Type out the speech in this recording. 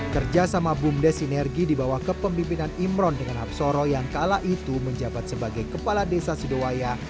kerja sama bumdes sinergi di bawah kepemimpinan imron dengan hapsoro yang kala itu menjabat sebagai kepala desa sidoaya